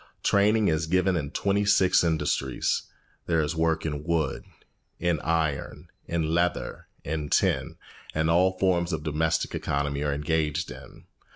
Training is given in twenty six industries. There is work in wood, in iron, in leather, in tin; and all forms of domestic economy are engaged in.